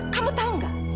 kamu tau gak